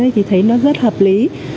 thì thấy nó rất hợp lý